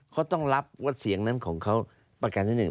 เขาต้องรับว่าเสียงนั้นของเขาประการที่หนึ่ง